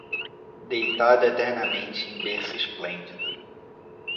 Deitado eternamente em berço esplêndido